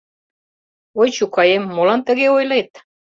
Ой, чукаем, молан тыге ойлет?..